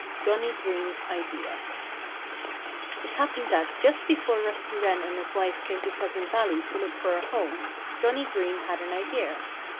II JOHNNIE GREEN'S IDEA It happened that just before Rusty Wren and his wife came to Pleasant Valley to look for a home, Johnnie Green had an idea.